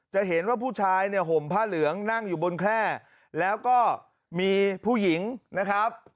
จะเห็นว่าผู้ชายเนี่ยห่มผ้าเหลืองนั่งอยู่บนแคล่แล้วก็มีผู้หญิงนะครับ